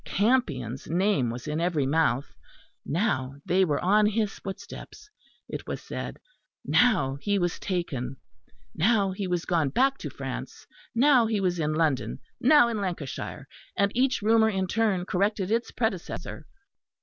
Campion's name was in every mouth. Now they were on his footsteps, it was said; now he was taken; now he was gone back to France; now he was in London; now in Lancashire; and each rumour in turn corrected its predecessor.